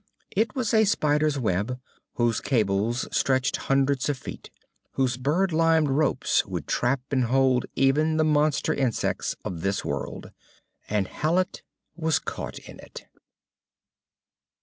It was a spider's web whose cables stretched hundreds of feet; whose bird limed ropes would trap and hold even the monster insects of this world. And Hallet was caught in it.